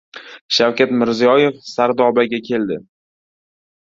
Shavkat Mirziyoyev Sardobaga keldi